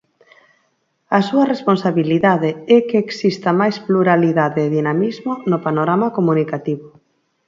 A súa responsabilidade é que exista máis pluralidade e dinamismo no panorama comunicativo.